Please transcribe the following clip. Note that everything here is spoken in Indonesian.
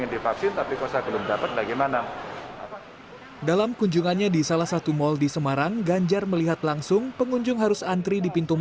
dalam kunjungannya di salah satu mal di semarang ganjar melihat langsung pengunjung harus antri di pintu masuk